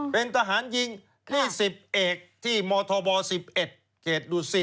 เป็นทหารยิงนี่๑๐เอกที่มธบ๑๑เขตดุสิต